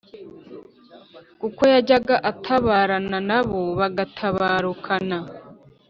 kuko yajyaga atabarana na bo bagatabarukana.